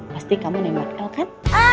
pasti kamu nembat el kan